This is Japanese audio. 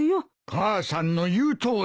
母さんの言うとおりだ。